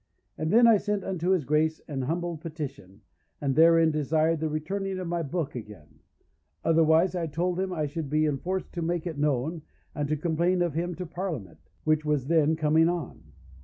And then I sent unto his Grace an humble petition, and therein desired the returning of my book again; otherwise I told him I should be enforced to make it known, and to complain of him to the Parliament, which was then coming on.